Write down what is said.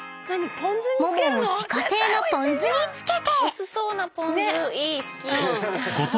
［ももを自家製のポン酢につけて］